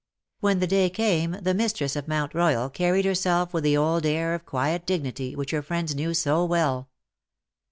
When the day came the mistress of Mount Royal carried herself with the old air of quiet dignity which her friends knew so ^rell.